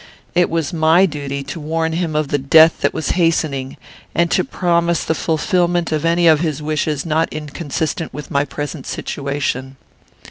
"It was my duty to warn him of the death that was hastening, and to promise the fulfilment of any of his wishes not inconsistent with my present situation.